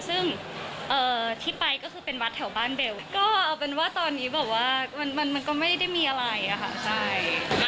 ซึ่งที่ไปก็คือเป็นวัดแถวบ้านเบลก็เอาเป็นว่าตอนนี้แบบว่ามันก็ไม่ได้มีอะไรอะค่ะใช่